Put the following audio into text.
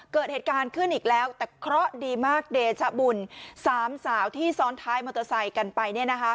เกิดเหตุการณ์ขึ้นอีกแล้วแต่เคราะห์ดีมากเดชบุญสามสาวที่ซ้อนท้ายมอเตอร์ไซค์กันไป